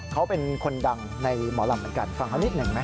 เขาเป็นคนดังในหมอลำเหมือนกันฟังเขานิดหนึ่งไหม